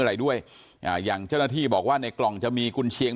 อะไรด้วยอ่าอย่างเจ้าหน้าที่บอกว่าในกล่องจะมีกุญเชียง